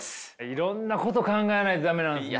いろんなこと考えないと駄目なんですね。